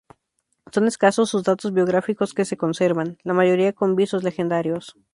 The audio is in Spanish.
Son escasos sus datos biográficos que se conservan, la mayoría con visos legendarios.